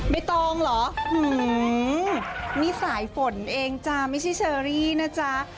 ไม่ต้องหรอหื้มมีสายฝนเองจ้าไม่ใช่เชอรี่นะจ้า